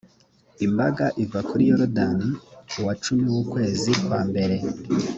imbaga iva kuri yorudani ku wa cumi w’ukwezi kwa mbere